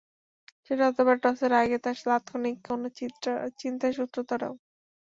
সেটা হতে পারে টসের আগে তাঁর তাৎক্ষণিক কোনো চিন্তার সূত্র ধরেও।